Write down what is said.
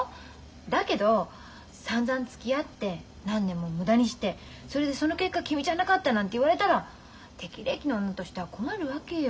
だけどさんざんつきあって何年も無駄にしてそれでその結果「君じゃなかった」なんて言われたら適齢期の女としては困るわけよ。